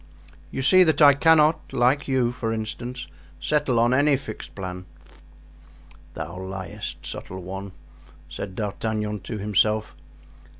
You see that I cannot, like you, for instance, settle on any fixed plan." "Thou liest, subtile one," said D'Artagnan to himself.